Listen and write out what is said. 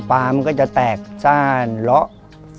มันก็จะแตกซ่านเลาะ